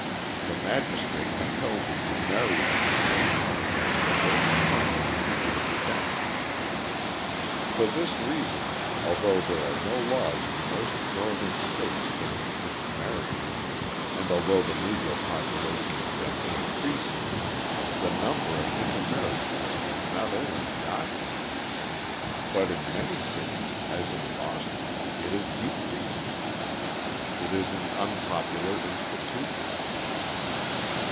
The magistrate compelled him to marry the Negro woman as the worst punishment he could invent! For this reason, although there are no laws in most Northern states against mixed marriages, and although the Negro population has been increasing, the number of intermarriages is not only not increasing, but in many cities, as in Boston, it is decreasing. It is an unpopular institution!